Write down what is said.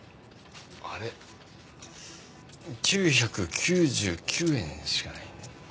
９９９円しかない。